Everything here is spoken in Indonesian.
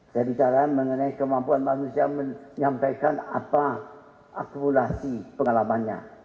saya bicara mengenai kemampuan manusia menyampaikan apa akumulasi pengalamannya